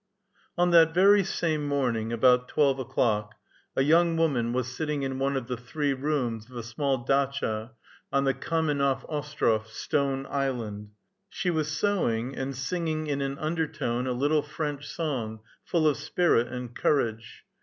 On that very same morning, about twelve o'clock, a young woman was sitting in one of the three rooms of a small datcha on the Kamenno'i Ostrof (Stone Island) ; she was sewing, and singing in an undertone a little French song full of spirit and courage.